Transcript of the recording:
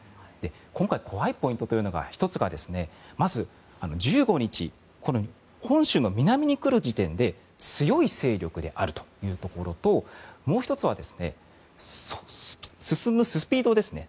今回、怖いポイントという１つがまず１５日、本州の南に来る時点で強い勢力であるというところともう１つは進むスピードですね。